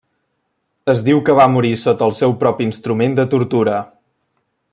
Es diu que va morir sota el seu propi instrument de tortura.